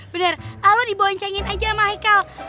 bener lo diboncengin aja sama haikal